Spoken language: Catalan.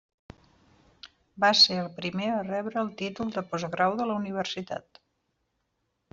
Va ser el primer a rebre el títol de postgrau de la universitat.